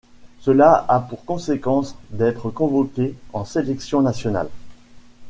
Cela a pour conséquence d'être convoqué en sélection nationale.